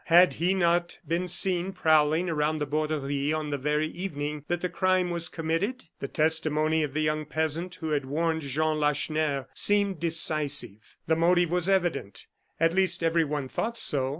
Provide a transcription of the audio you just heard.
Had he not been seen prowling around the Borderie on the very evening that the crime was committed? The testimony of the young peasant who had warned Jean Lacheneur seemed decisive. The motive was evident; at least, everyone thought so.